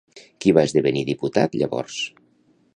Qui va esdevenir diputat llavors?